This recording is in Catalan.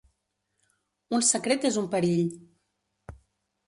Un secret és un perill.